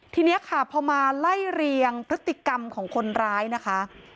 ทีนี้ค่ะพอมาไล่เรียงพฤติกรรมของคนร้ายนะคะ